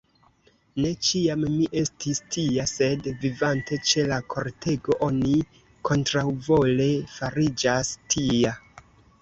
Ne ĉiam mi estis tia; sed, vivante ĉe la kortego, oni kontraŭvole fariĝas tia.